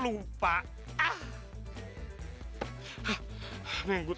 aduh karin tungguin